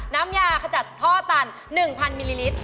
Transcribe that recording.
น้ำยาขจัดท่อตัน๑๐๐มิลลิลิตร